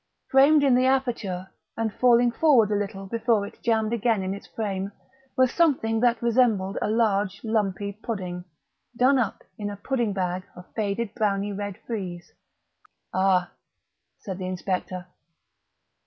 Framed in the aperture, and falling forward a little before it jammed again in its frame, was something that resembled a large lumpy pudding, done up in a pudding bag of faded browny red frieze. "Ah!" said the inspector.